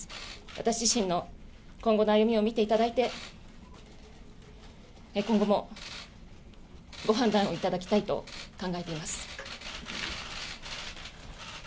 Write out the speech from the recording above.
私自身の今後の歩みを見ていただいて、今後もご判断をいただきたいと考えています。